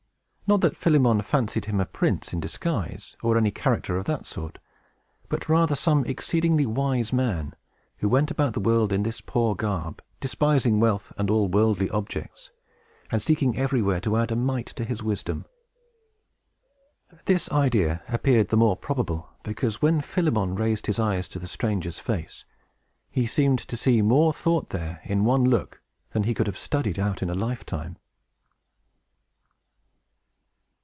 Not that Philemon fancied him a prince in disguise, or any character of that sort; but rather some exceedingly wise man, who went about the world in this poor garb, despising wealth and all worldly objects, and seeking everywhere to add a mite to his wisdom. This idea appeared the more probable, because, when Philemon raised his eyes to the stranger's face, he seemed to see more thought there, in one look, than he could have studied out in a lifetime.